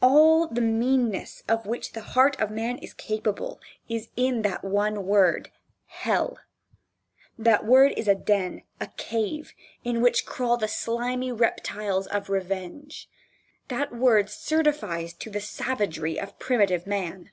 All the meanness of which the heart of man is capable is in that one word Hell. That word is a den, a cave, in which crawl the slimy reptiles of revenge. That word certifies to the savagery of primitive man.